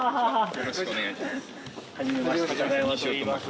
よろしくお願いします。